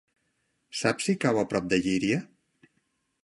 Saps si cau a prop de Llíria?